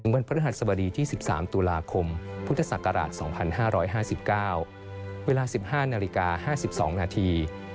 พระฤหัสบดีที่๑๓ตุลาคมพุทธศักราช๒๕๕๙เวลา๑๕นาฬิกา๕๒นาที